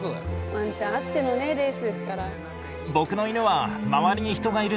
ワンちゃんあってのねレースですから。